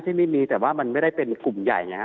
ไม่มีแต่ว่ามันไม่ได้เป็นกลุ่มใหญ่ไงฮะ